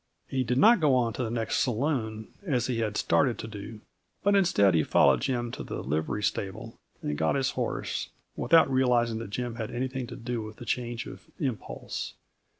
He did not go on to the next saloon, as he had started to do, but instead he followed Jim to the livery stable and got his horse, without realizing that Jim had anything to do with the change of impulse.